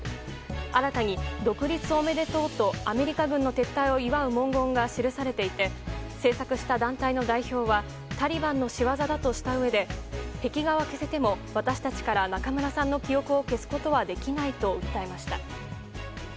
新たに、「独立おめでとう」とアメリカ軍の撤退を祝う文言が記されていて制作した団体の代表はタリバンの仕業だとしたうえで壁画は消せても私たちから中村さんの記憶を消すことはでいないと訴えました。